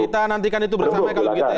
kita nantikan itu bersama kalau begitu ya